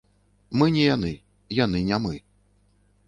Мы не яны, яны не мы.